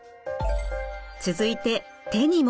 続いて手にも。